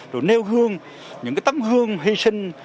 rồi nêu hương những cái tấm hương hy sinh